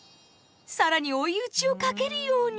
更に追い打ちをかけるように。